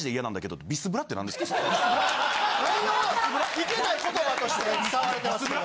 いけない言葉として使われてますけど。